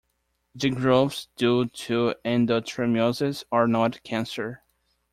The growths due to endometriosis are not cancer.